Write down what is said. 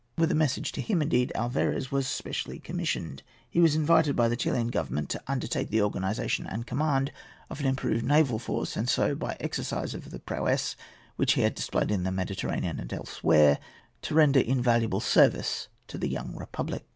With a message to him, indeed, Alvarez was specially commissioned. He was invited by the Chilian Government to undertake the organization and command of an improved naval force, and so, by exercise of the prowess which he had displayed in the Mediterranean and elsewhere, to render invaluable service to the young republic.